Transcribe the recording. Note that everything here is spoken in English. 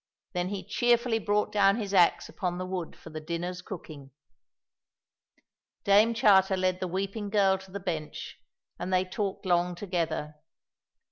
Then he cheerfully brought down his axe upon the wood for the dinner's cooking. Dame Charter led the weeping girl to the bench, and they talked long together.